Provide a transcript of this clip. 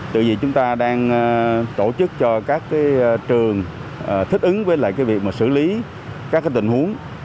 tự vì chúng ta đang tổ chức cho các trường thích ứng với việc xử lý các tình huống